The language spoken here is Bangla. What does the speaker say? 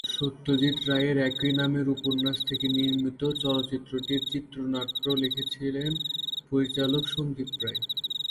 সত্যজিৎ রায়ের একই নামের উপন্যাস থেকে নির্মিত চলচ্চিত্রটির চিত্রনাট্য লিখেছেন পরিচালক সন্দীপ রায়।